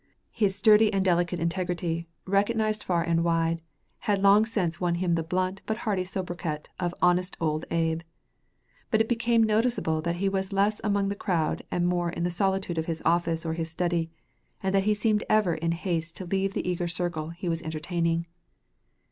His sturdy and delicate integrity, recognized far and wide, had long since won him the blunt but hearty sobriquet of "Honest Old Abe." But it became noticeable that he was less among the crowd and more in the solitude of his office or his study, and that he seemed ever in haste to leave the eager circle he was entertaining.